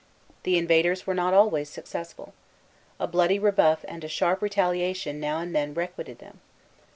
The invaders were not always successful. A bloody rebuff and a sharp retaliation now and then requited them.